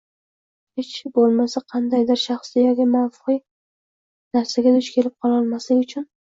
hech bo‘lmasa qandaydir shaxsiy yoki maxfiy narsaga duch kelib qolmaslik uchun.